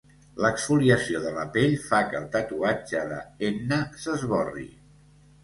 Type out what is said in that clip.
L'exfoliació de la pell fa que el tatuatge de henna s'esborri.